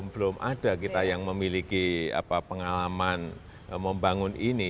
belum ada kita yang memiliki pengalaman membangun ini